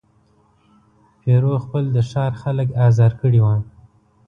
پیرو خپل د ښار خلک آزار کړي وه.